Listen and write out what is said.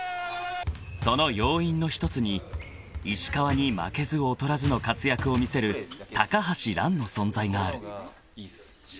［その要因の１つに石川に負けず劣らずの活躍を見せる橋藍の存在がある］